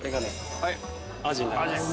アジになります。